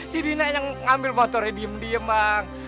si dina yang ngambil motornya diem diem bang